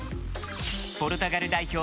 ポルトガル代表